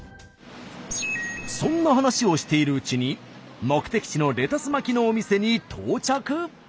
そんな話をしているうちに目的地のレタス巻のお店に到着。